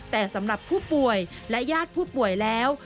แต่สำหรับผู้ป่วยและญาติผู้ป่วยแล้ว